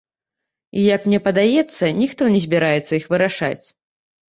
І, як мне падаецца, ніхто не збіраецца іх вырашаць.